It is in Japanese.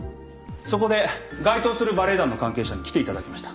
そこで該当するバレエ団の関係者に来ていただきました。